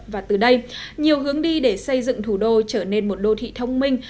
và từ đây nhiều hướng đi để xây dựng thủ đô trở nên một đô thị thông minh